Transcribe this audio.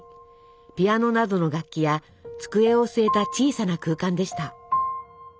ピアノなどの楽器や机を据えた小さな空間でした。